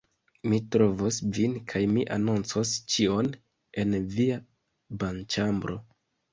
Mi trovos vin kaj mi anoncos ĉion... en via banĉambro...